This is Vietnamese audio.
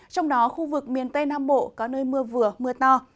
trong đó khu vực miền tây nam bộ có nơi mưa vừa mưa to